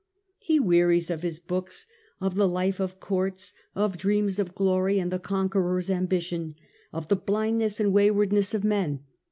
He wearies of his books, oi the life of courts, of dreams of glory and the conqueror's ambition, of the blindness and waywardness of men.